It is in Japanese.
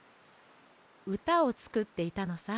うたをつくっていたのさ。